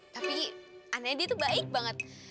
tapi anehnya dia tuh baik banget